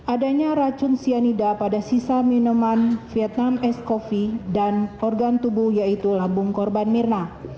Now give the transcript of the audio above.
adanya racun cyanida pada sisa minuman vietnam ice coffee dan organ tubuh yaitu labung korban mirna